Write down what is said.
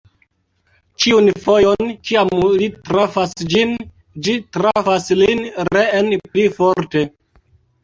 Ĉiun fojon, kiam li trafas ĝin, ĝi trafas lin reen pli forte.